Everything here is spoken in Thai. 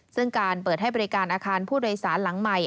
ซึ่งการเปิดให้บริการอาคารผู้โดยสารหลังใหม่